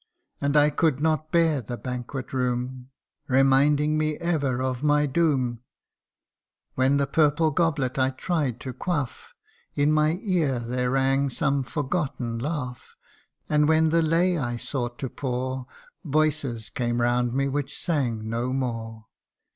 And I could not bear the banquet room, Reminding me ever of my doom ; When the purple goblet I tried to quaff, In my ear there rang some forgotten laugh ; And when the lay I sought to pour, Voices came round me which sang no more.